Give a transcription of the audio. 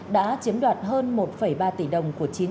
đã chiếm đoạt hơn một ba tỷ đồng của chính